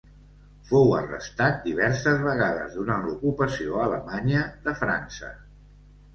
Fou arrestat diverses vegades durant l'ocupació alemanya de França.